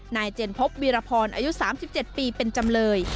นายเจนพบวิรพรอายุสามสิบเจ็ดปีเป็นจำเลย